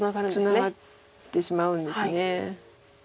ツナがってしまうんです。